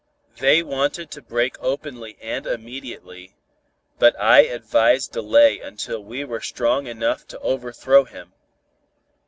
They wanted to break openly and immediately, but I advised delay until we were strong enough to overthrow him.